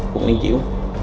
quận ninh diễu